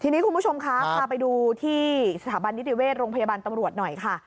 ทีนี้คุณผู้ชมคะพาไปดูที่สถาบันนิติเวชโรงพยาบาลตำรวจหน่อยค่ะ